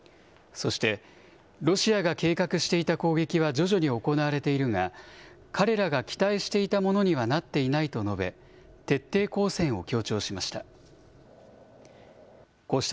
そして、ロシアが計画していた攻撃は徐々に行われているが、彼らが期待していたものにはなっていないと述べ、徹底抗戦を強調しました。